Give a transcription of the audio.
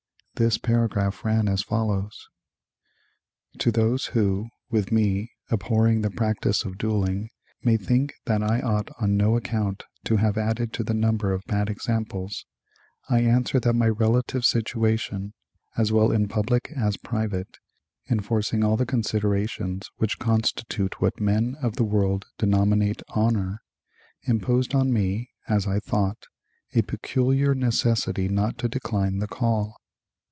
This paragraph ran as follows: "To those who, with me, abhorring the practice of dueling, may think that I ought on no account to have added to the number of bad examples, I answer that my relative situation, as well in public as private, enforcing all the considerations which constitute what men of the world denominate honor, imposed on me (as I thought) a peculiar necessity not to decline the call.